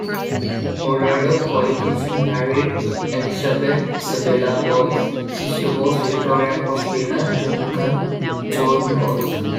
Odoardo Colacicchi married Elizabeth Isabella Boyes, sister of Victoria Cross-winner Duncan Gordon Boyes.